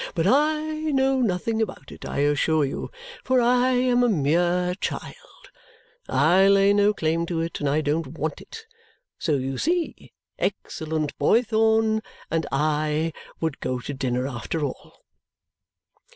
But I know nothing about it, I assure you; for I am a mere child, and I lay no claim to it, and I don't want it!' So, you see, excellent Boythorn and I would go to dinner after all!"